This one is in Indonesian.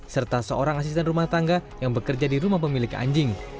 serta seorang asisten rumah tangga yang bekerja di rumah pemilik anjing